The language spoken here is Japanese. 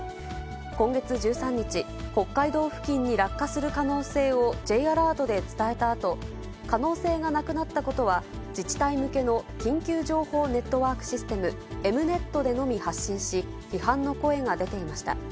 今月１３日、北海道付近に落下する可能性をＪアラートで伝えたあと、可能性がなくなったことは、自治体向けの緊急情報ネットワークシステム、エムネットでのみ発信し、批判の声が出ていました。